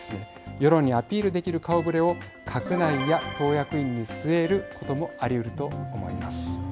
世論にアピールできる顔ぶれを閣内や党役員に据えることもありうると思います。